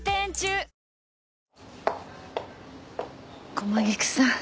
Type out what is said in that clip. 駒菊さん